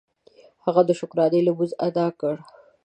هغه د شکرانې لمونځ ادا کړ.